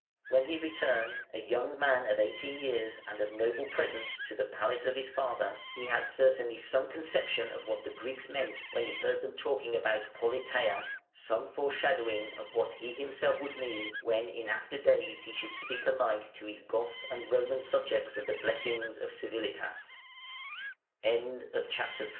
When he returned, a young man of eighteen years and of noble presence to the palace of his father, he had certainly some conception of what the Greeks meant when he heard them talking about politeia, some foreshadowing of what he himself would mean when in after days he should speak alike to his Goth and Roman subjects of the